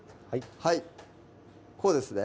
はいこうですね